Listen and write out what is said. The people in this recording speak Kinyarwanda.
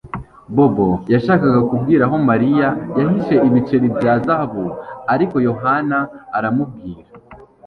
Bobo yashakaga kubwira Mariya aho yahishe ibiceri bya zahabu ariko Yohana aramubwira